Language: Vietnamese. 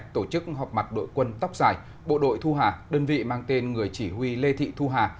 tổ chức họp mặt đội quân tóc dài bộ đội thu hà đơn vị mang tên người chỉ huy lê thị thu hà